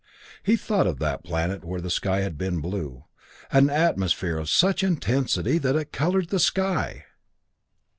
He thought of that planet where the sky had been blue an atmosphere of such intensity that it colored the sky!